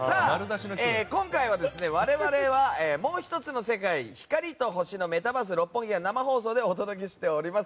今回は我々はもう１つの世界光と星のメタバース六本木から生放送でお届けしております。